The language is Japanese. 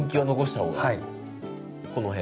この辺？